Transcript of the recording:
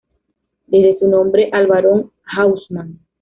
Debe su nombre al Barón Haussmann.